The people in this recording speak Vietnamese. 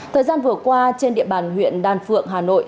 thời gian vừa qua trên địa bàn huyện đan phượng hà nội